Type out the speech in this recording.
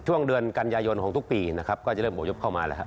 ช่วงเดือนกันยายนของทุกปีนะครับก็จะเริ่มอบยบเข้ามาแล้วครับ